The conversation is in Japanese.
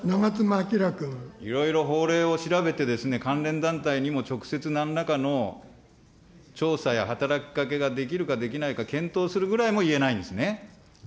いろいろ法例を調べて、関連団体にも直接なんらかの調査や働きかけができるかできないか検討するぐらいも言えないんですね。